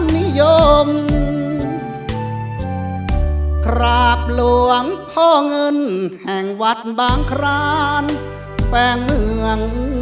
นิยมกราบหลวงพ่อเงินแห่งวัดบางครานแฝงเมือง